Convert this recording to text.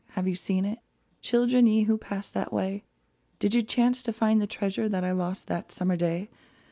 Have you seen it, Children, ye who passed that way ? Did you chance to find the treasure That I lost that summer day